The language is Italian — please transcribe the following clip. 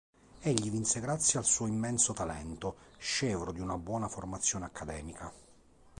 Egli vinse grazie al suo immenso talento, scevro di una buona formazione accademica.